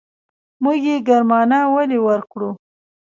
موږ يې ګرمانه ولې ورکړو.